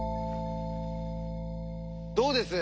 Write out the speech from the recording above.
どうです？